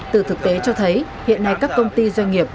từ thực tế cho thấy hiện nay các công ty doanh nghiệp